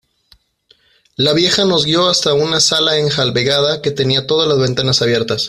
la vieja nos guió hasta una sala enjalbegada, que tenía todas las ventanas abiertas.